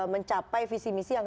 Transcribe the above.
mencapai visi misi yang